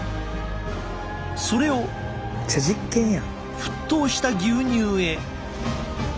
それを沸騰した牛乳へ。